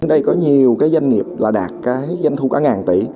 ở đây có nhiều cái doanh nghiệp là đạt cái doanh thu cả ngàn tỷ